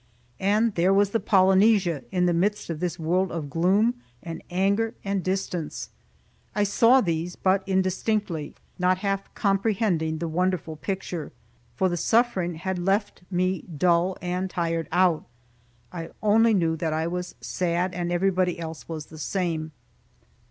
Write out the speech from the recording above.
And there was the "Polynesia" in the midst of this world of gloom, and anger, and distance. I saw these, but indistinctly, not half comprehending the wonderful picture. For the suffering had left me dull and tired out. I only knew that I was sad, and everybody else was the same.